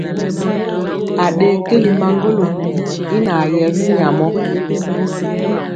Aɗee keli maŋgolo i naa yɛ binyamɔ.